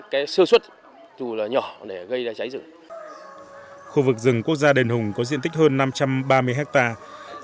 khu vực rừng quốc gia đền hùng có diện tích hơn năm trăm ba mươi hectare